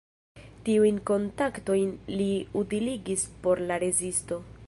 Tiujn kontaktojn li utiligis por la rezisto.